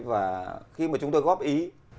và khi mà chúng tôi góp ý